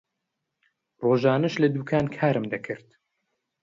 ڕۆژانەش لە دوکان کارم دەکرد.